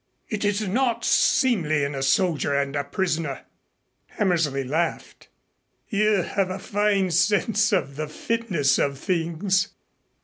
It is not seemly in a soldier and a prisoner." Hammersley laughed. "You have a fine sense of the fitness of things."